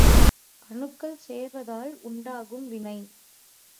அணுக்கள் சேர்வதால் உண்டாகும் வினை.